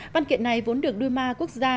văn kiện này vốn được đu ma quốc gia